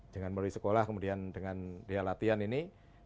dengan melalui sekolah kemudian dengan dia latihan ini